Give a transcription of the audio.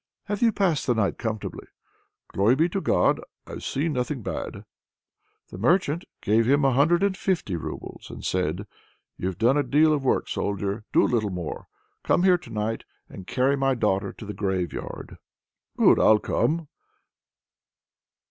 "Have you passed the night comfortably?" "Glory be to God, I've seen nothing bad." The merchant gave him a hundred and fifty roubles, and said "You've done a deal of work, Soldier! do a little more. Come here to night and carry my daughter to the graveyard." "Good, I'll come."